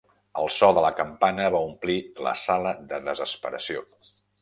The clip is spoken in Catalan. El so de la campana va omplir la sala de desesperació.